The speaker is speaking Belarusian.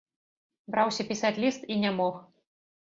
Браўся пісаць ліст і не мог.